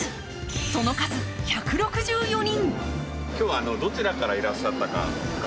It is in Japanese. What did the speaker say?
その数、１６４人。